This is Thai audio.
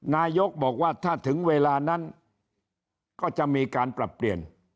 นายกบอกว่าถ้าถึงเวลานั้นก็จะมีการปรับเปลี่ยน